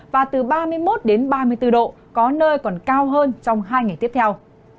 và từ ba mươi một đến ba mươi bốn độ có nơi còn cao hơn trong hai ngày tiếp theo